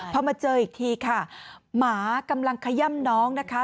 พอมาเจออีกทีค่ะหมากำลังขย่ำน้องนะคะ